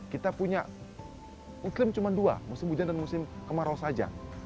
kita punya iklim cuma dua musim hujan dan musim kemarau saja